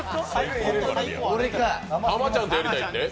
濱ちゃんとやりたいって？